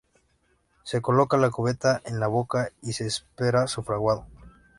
Se coloca la cubeta en la boca y se espera su fraguado.